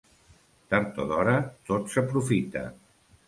Tard o d'hora tot s'aprofita.